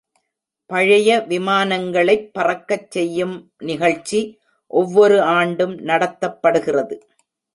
பழைய விமானங்களைப் பறக்க செய்யும் நிகழ்ச்சி ஒவ்வொரு ஆண்டும் நடத்தப்படுகிறது.